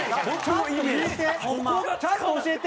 ホンマちゃんと教えて。